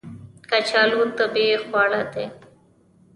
کچالو طبیعي خواړه دي